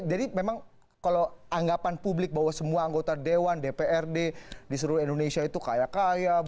jadi memang kalau anggapan publik bahwa semua anggota dewan dprd di seluruh indonesia itu kaya kaya